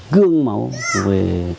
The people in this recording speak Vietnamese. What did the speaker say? gương máu về